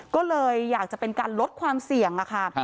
ก็เลยอยากจะเป็นการลดความเสี่ยงค่ะ